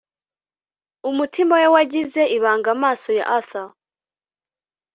Umutima we wagize ibanga Amaso ya Arthur